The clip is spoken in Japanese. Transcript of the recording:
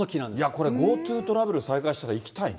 これ、ＧｏＴｏトラベル再開したら行きたいね。